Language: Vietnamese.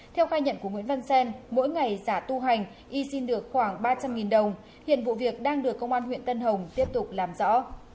theo khai nhận của nguyễn văn xen mỗi ngày giả tu hành y xin được khoảng ba trăm linh đồng hiện vụ việc đang được công an huyện tân hồng tiếp tục làm rõ